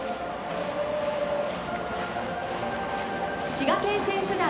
滋賀県選手団。